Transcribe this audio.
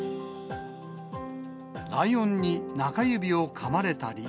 ライオンに中指をかまれたり。